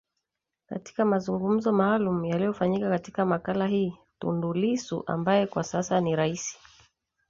katika mazungumzo maalumu yaliyofanyika Katika makala hii Tundu Lissu ambaye kwa sasa ni rais